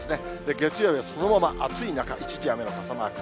月曜日はそのまま暑い中、一時雨の傘マーク。